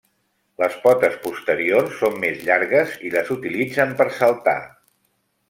Les potes posteriors són més llargues i les utilitzen per saltar.